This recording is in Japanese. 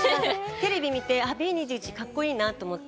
テレビを見て、Ｂ２１カッコいいなと思って。